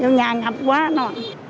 vô nhà ngập quá nó